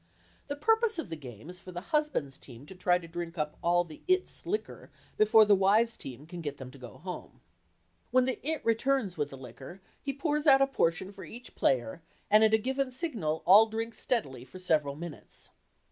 The purpose of the game is for the "husbands', team" to try to drink up all the "It's" liquor before the "wives' team" can get them to go home. When the "It" returns with the liquor he pours out a portion for each player and at a given signal all drink steadily for several minutes.